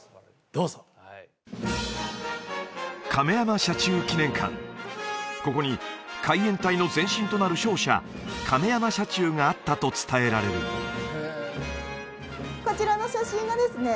どうぞここに海援隊の前身となる商社亀山社中があったと伝えられるこちらの写真がですね